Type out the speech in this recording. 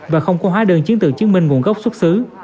và không có hóa đơn chiến tượng chứng minh nguồn gốc xuất xứ